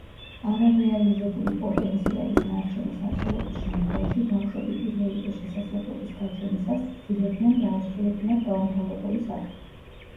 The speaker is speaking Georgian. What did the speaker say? არარეალიზებული პოტენციალის ნარჩენის არსებობის შემთხვევაში ბავშვები პირველივე შესაძლებლობის გაჩენისას ცდილობდნენ დაესრულებინათ დაუმთავრებელი საქმე.